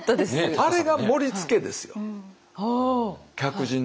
あれが盛りつけですよ。